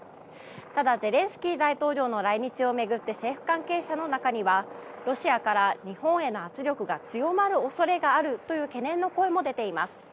ただ、ゼレンスキー大統領の来日を巡って政府関係者の中にはロシアから日本への圧力が強まる恐れがあるとの懸念の声も出ています。